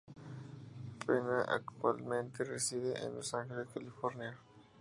Pena actualmente reside en Los Ángeles, California.